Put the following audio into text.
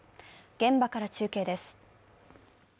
現場から中継です。